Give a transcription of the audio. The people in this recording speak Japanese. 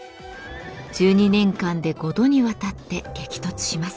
１２年間で５度にわたって激突します。